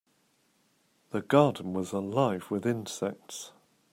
The garden was alive with insects.